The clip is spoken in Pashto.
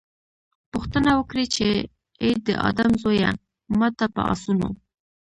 پوښتنه وکړي چې اې د آدم زويه! ما ته په آسونو